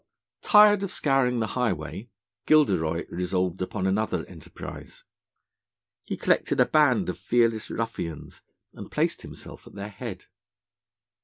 Tired of scouring the highway, Gilderoy resolved upon another enterprise. He collected a band of fearless ruffians, and placed himself at their head.